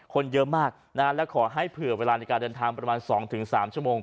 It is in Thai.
คนเยอะมากและขอให้เผื่อเวลาในการเดินทางประมาณ๒๓ชั่วโมง